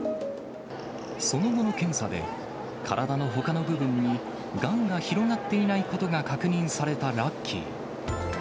その後の検査で、体のほかの部分に、がんが広がっていないことが確認されたラッキー。